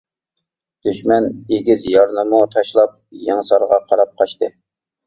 دۈشمەن ئېگىز يارنىمۇ تاشلاپ يېڭىسارغا قاراپ قاچتى.